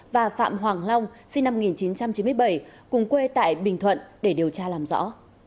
và phạm hoàng long sinh năm một nghìn chín trăm chín mươi bảy cùng quê tại bình thuận để điều tra làm rõ